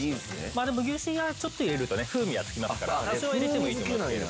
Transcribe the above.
まあでも牛脂はちょっと入れるとね風味はつきますから多少は入れてもいいと思います。